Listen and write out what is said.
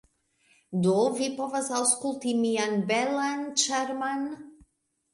Do vi povas aŭskulti mian belan, ĉarman